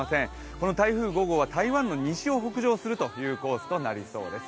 この台風５号は台湾の西を北上するコースとなりそうです。